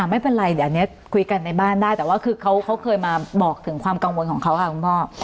ไม่เป็นไรเดี๋ยวอันนี้คุยกันในบ้านได้แต่ว่าคือเขาเคยมาบอกถึงความกังวลของเขาค่ะคุณพ่อ